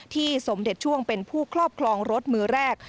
สมเด็จช่วงเป็นผู้ครอบครองรถมือแรก